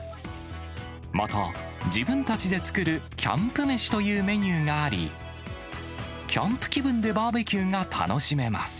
また、自分たちで作るキャンプ飯というメニューがあり、キャンプ気分でバーベキューが楽しめます。